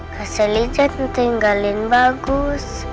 kak selim jangan tinggalin bagus